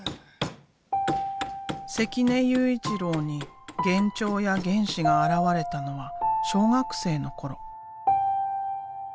関根悠一郎に幻聴や幻視が現れたのは小学生の頃。